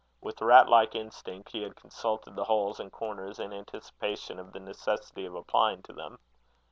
With rat like instinct, he had consulted the holes and corners in anticipation of the necessity of applying to them.